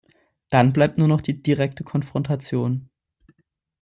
Dann bleibt nur noch die direkte Konfrontation.